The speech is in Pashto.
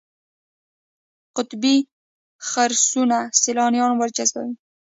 قطبي خرسونه سیلانیان ورجذبوي.